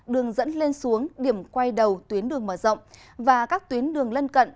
đường dẫn lên xuống điểm quay đầu tuyến đường mở rộng và các tuyến đường lân cận